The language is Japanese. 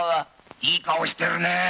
いい顔してるね。